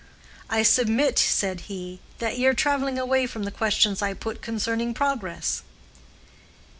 "I submit," said he, "that ye're traveling away from the questions I put concerning progress."